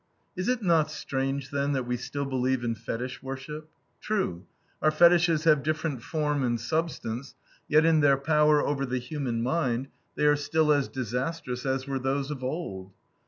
Is it not strange, then, that we still believe in fetich worship? True, our fetiches have different form and substance, yet in their power over the human mind they are still as disastrous as were those of old.